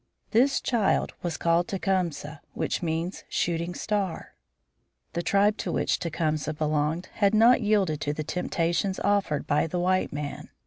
This child was called Tecumseh, which means shooting star. The tribe to which Tecumseh belonged had not yielded to the temptations offered by the white man.